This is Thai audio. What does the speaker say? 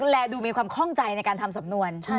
แลดูมีความคล่องใจในการทำสำนวน